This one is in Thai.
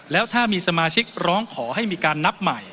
แล้วถ้ามีสมาชิกร้องขอให้มีการนับใหม่